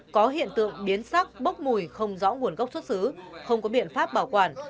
có hiện tượng biến sắc bốc mùi không rõ nguồn gốc xuất xứ không có biện pháp bảo quản